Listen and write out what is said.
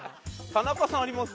田中さんあります？